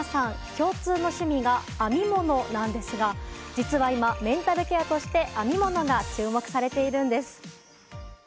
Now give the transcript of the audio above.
共通の趣味が編み物なんですが実は今、メンタルケアとして編み物が注目されているんです。